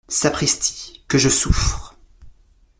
Sapristi ! que je souffre !